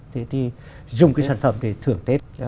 thế thì dùng cái sản phẩm để thưởng tết